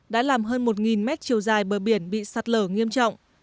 đã làm hơn một mét chiều dài bờ biển bị sạt lở nghiêm trọng